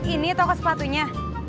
ini toko sepatunya